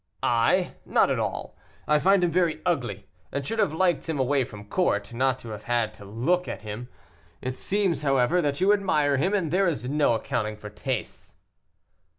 "I! not at all. I find him very ugly, and should have liked him away from court, not to have had to look at him. It seems, however, that you admire him, and there is no accounting for tastes."